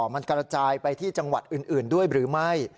มันกระจายไปที่จังหวัดอื่นด้วยหรือไม่